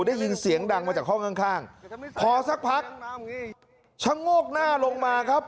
ได้ยินเสียงดังมาจากห้องข้างข้างพอสักพักชะโงกหน้าลงมาครับ